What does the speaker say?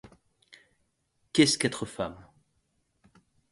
Qu'est ce qu'être Femme?